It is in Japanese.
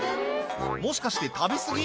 もしかして食べ過ぎ？